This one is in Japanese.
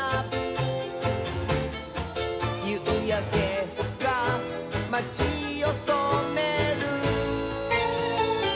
「ゆうやけがまちをそめる」